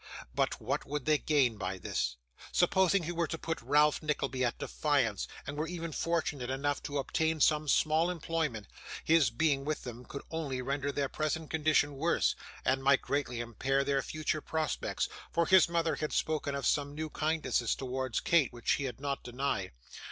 But what would they gain by this? Supposing he were to put Ralph Nickleby at defiance, and were even fortunate enough to obtain some small employment, his being with them could only render their present condition worse, and might greatly impair their future prospects; for his mother had spoken of some new kindnesses towards Kate which she had not denied.